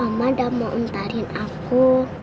mama dan mau ntarin aku